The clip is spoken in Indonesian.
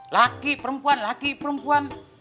laki perempuan laki perempuan